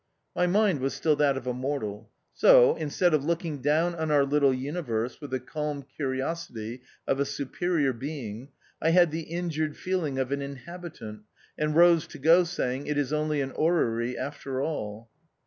My mind was still that of a mortal ; so, instead of looking down on our little uni verse with the calm curiosity of a superior being, I had the injured feeling of an in habitant, and rose to go, saying, " It is only an orrery after all."